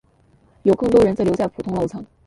有更多人则留在普通楼层。